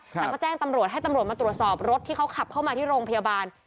แต่ก็แจ้งตำรวจให้ตำรวจมาตรวจสอบรถที่เขาขับเข้ามาที่โรงพยาบาล